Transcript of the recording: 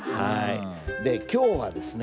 で今日はですね